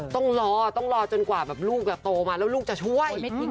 ต้องรอต้องรอจนกว่าแบบลูกโตมาแล้วลูกจะช่วย